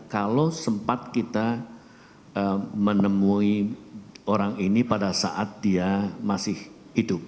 kalau sempat kita menemui orang ini pada saat dia masih hidup